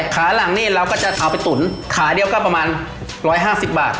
ขาหลังนี่เราก็จะเอาไปตุ๋นขาเดียวก็ประมาณ๑๕๐บาท